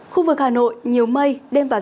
khu vực hà nội nhiều mây đem vào giá